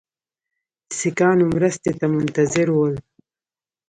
سیکهانو مرستې ته منتظر ول.